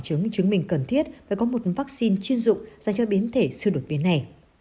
chứng chứng minh cần thiết phải có một vaccine chuyên dụng dành cho biến thể siêu đột biến này